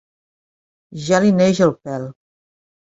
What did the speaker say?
Ja li neix el pèl.